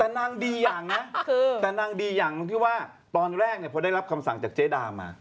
แต่นางดีอย่างนะแต่นางดีอย่างที่ว่าตอนแรกเนี่ยพอได้รับคำสั่งจากเจ๊ดามา